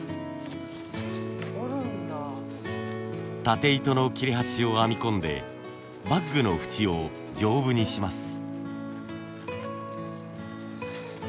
たて糸の切れ端を編み込んでバッグのふちを丈夫にします。